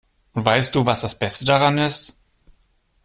Und weißt du, was das Beste daran ist?